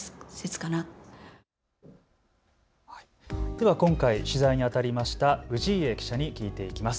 では今回取材にあたりました氏家記者に聞いていきます。